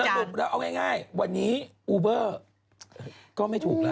สรุปแล้วเอาง่ายวันนี้อูเบอร์ก็ไม่ถูกแล้ว